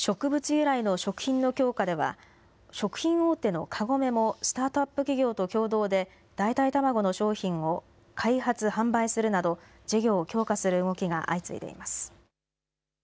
由来の食品の強化では、食品大手のカゴメもスタートアップ企業と共同で、代替卵の商品を開発・販売するなど、事業を強化する動きが相次いでいます。